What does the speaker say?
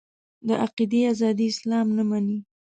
د عقیدې ازادي اسلام نه مني.